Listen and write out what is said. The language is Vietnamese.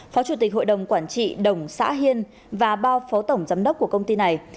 phó chủ tịch hội đồng quản trị đồng xã hiên và ba phó tổng giám đốc của công ty này